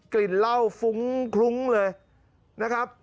กลิ่นเหล้าฟุ้งคลุ้งเลยนะครับ